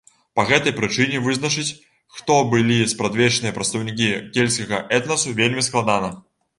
Па гэтай прычыне вызначыць, хто былі спрадвечныя прадстаўнікі кельцкага этнасу вельмі складана.